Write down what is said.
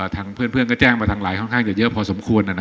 ทางเพื่อนก็แจ้งมาทางไลน์ค่อนข้างจะเยอะพอสมควร